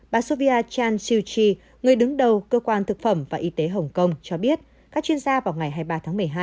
bà sovia chan siuchi người đứng đầu cơ quan thực phẩm và y tế hồng kông cho biết các chuyên gia vào ngày hai mươi ba tháng một mươi hai